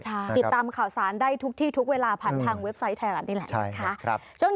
ติดตามข่าวสารได้ทุกที่ทุกเวลาผ่านทางเว็บไซต์ไทยรัฐนี่แหละ